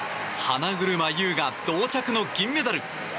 花車優が同着の銀メダル。